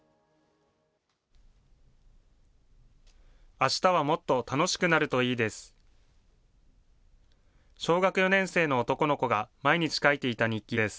あしたはもっと楽しくなるといいです。